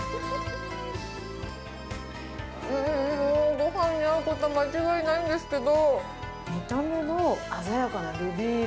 ごはんに合うことは間違いないんですけど、見た目の鮮やかなルビー色。